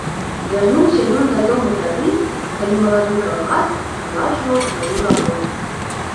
Вярнуўся ён дадому тады, калі малады калгас наладжваў сваю работу.